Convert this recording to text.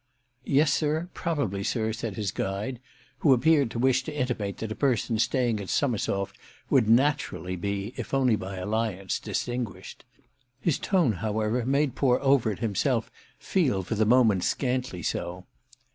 "Yes, sir—probably, sir," said his guide, who appeared to wish to intimate that a person staying at Summersoft would naturally be, if only by alliance, distinguished. His tone, however, made poor Overt himself feel for the moment scantly so.